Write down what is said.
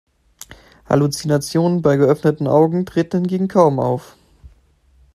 Halluzinationen bei geöffneten Augen treten hingegen kaum auf.